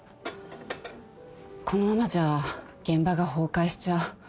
このままじゃ現場が崩壊しちゃう。